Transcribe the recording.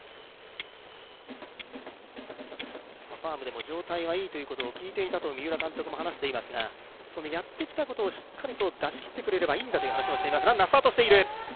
ファームでも状態はいいと聞いていたと三浦監督も話していますが、やってきたことをしっかりと出し切ってくれればいいんだという話もしています。